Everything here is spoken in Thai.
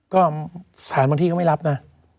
ก็สารบางที่ก็ไม่รับนะ